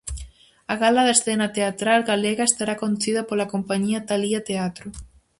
A gala da escena teatral galega estará conducida pola compañía Talía Teatro.